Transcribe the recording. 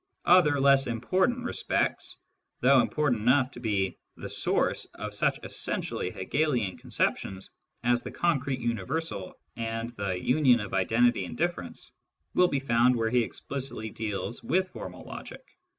Other less important respects — though important enough to be the source of such essentially Hegelian conceptions as the " concrete universal " and the " union of identity in difference "— will be found where he explicitly deals with formal logic.